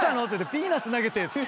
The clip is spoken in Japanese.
ピーナッツ投げてっつって。